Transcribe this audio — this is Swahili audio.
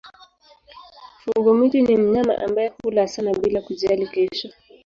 Fungo-miti ni mnyama ambaye hula sana bila kujali kesho.